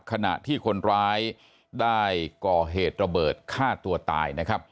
ขณะที่คนร้ายได้ก่อเหตุระเบิดฆ่าตัวตายนะครับ